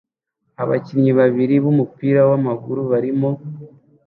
Abakinnyi babiri bumupira wamaguru barimo